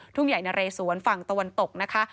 ทุ่งใหญ่นะเรสวนฝั่งตะวันตกนะคะ